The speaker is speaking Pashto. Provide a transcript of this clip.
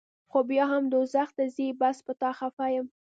خو بیا به هم دوزخ ته ځې بس پۀ تا خفه يم